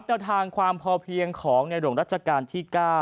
แนวทางความพอเพียงของในหลวงรัชกาลที่๙